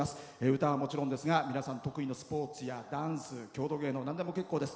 歌はもちろんですが皆さん得意のスポーツやダンス、郷土芸能なんでも結構です。